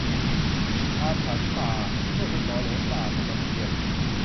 อาถรรพณ์ป่า : เมื่อคุณหมอหลงป่า - พนมเทียน